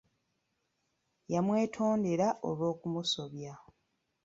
Yamwetondera olw'okumusobya.